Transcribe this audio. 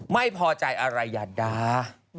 ไม่พอใจอะไรอย่าด่า